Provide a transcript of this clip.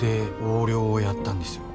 横領をやったんですよ。